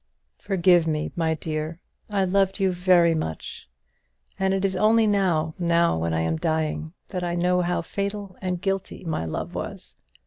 Forgive me, my dear; I loved you very much; and it is only now now when I am dying, that I know how fatal and guilty my love was.